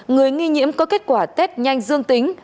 người nghi nhiễm có kết quả test nhanh dương tính